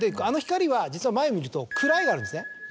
あの光は実は前見ると「昏い」があるんですね。